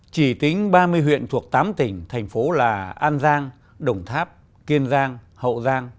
chỉ tính ba mươi huyện thuộc tám tỉnh thành phố là an giang đồng tháp kiên giang hậu giang